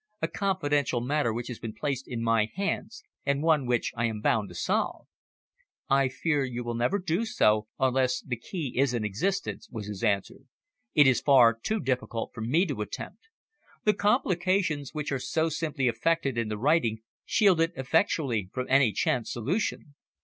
"A confidential matter which has been placed in my hands, and one which I am bound to solve." "I fear you will never do so unless the key is in existence," was his answer. "It is far too difficult for me to attempt. The complications which are so simply effected in the writing, shield it effectually from any chance solution.